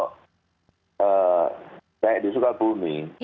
kayak di sukabumi